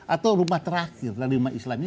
atau rumah terakhir dari umat islam ini